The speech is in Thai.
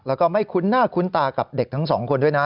แล้วก็ไม่คุ้นหน้าคุ้นตากับเด็กทั้งสองคนด้วยนะ